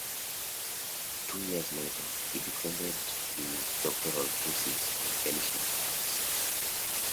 Two years later, he defended his doctoral thesis on ancient Turks.